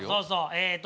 えっと